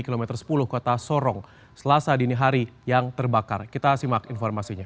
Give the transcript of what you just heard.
kilometer sepuluh kota sorong selasa dini hari yang terbakar kita simak informasinya